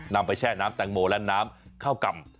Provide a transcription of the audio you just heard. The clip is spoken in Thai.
นำไปแช่น้ำแตงโมและน้ำข้าวกำ